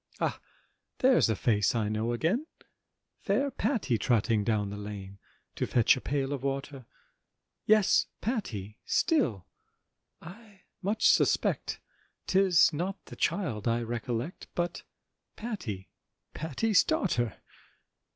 Ah! there's a face I know again, Fair Patty trotting down the Lane To fetch a pail of water; Yes, Patty! still I much suspect, 'Tis not the child I recollect, But Patty, Patty's daughter!